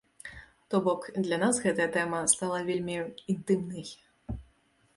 То бок, для нас гэтая тэма стала вельмі інтымнай.